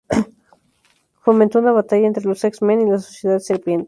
Fomentó una batalla entre los X-Men y la Sociedad Serpiente.